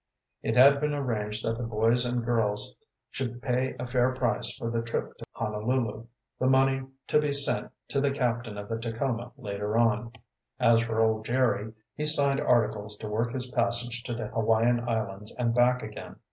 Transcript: It had been arranged that the boys and girls should pay a fair price for the trip to Honolulu, the money to, be sent to the captain of the Tacoma later on. As for old Jerry, he signed articles to work his passage to the Hawaiian Islands and back again.